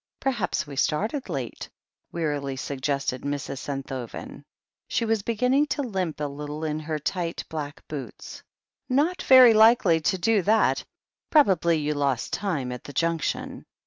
"Perhaps we started late," wearily suggested Mrs. Scnthoven. She was beginning to limp a little in her tight, black boots. "Not very likely to do that. Probably you lost time at the Junction.